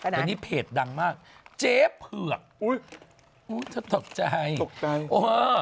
อันนี้เพจดังมากเจ๋เผือกอุ๊ยอุ๊ยฉันตกใจตกใจโอ้เออ